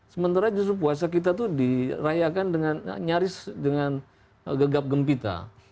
sementara justru puasa kita itu dirayakan dengan nyaris dengan gegap gempita